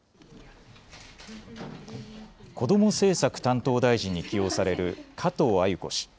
こども政策担当大臣に起用される加藤鮎子氏。